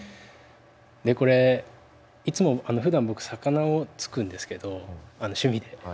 でこれいつもふだん僕魚を突くんですけど趣味で。